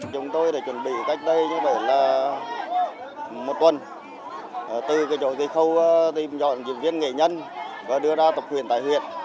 chúng tôi tìm dọn diễn viên nghệ nhân và đưa ra tập huyền tài huyệt